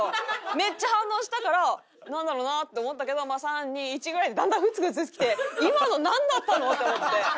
めっちゃ反応したからなんだろうな？と思ったけど「３２１」ぐらいでだんだんフツフツきて今のなんだったの？って思って。